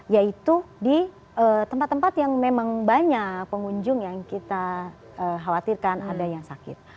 yaitu di tempat tempat yang memang banyak pengunjung yang kita khawatirkan ada yang sakit